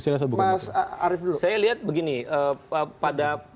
saya lihat begini pada